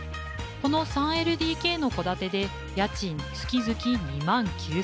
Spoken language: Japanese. この３ＬＤＫの戸建てで家賃月々２万９，０００円。